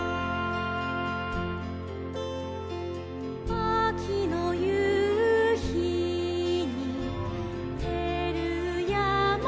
「あきのゆうひにてるやまもみじ」